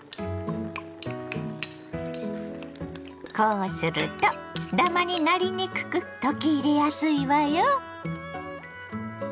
こうするとだまになりにくく溶き入れやすいわよ。